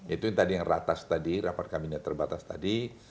itu tadi yang ratas tadi rapat kami terbatas tadi